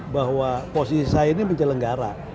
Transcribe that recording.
bahwa posisi saya ini menjelenggara